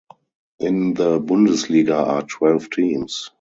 In the Bundesliga are twelve teams.